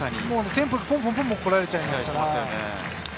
テンポ、ポンポン来られちゃいますから。